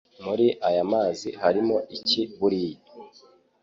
Muri aya mazi harimo iki buriya